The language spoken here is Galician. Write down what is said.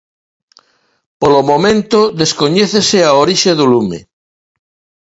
Polo momento, descoñécese a orixe do lume.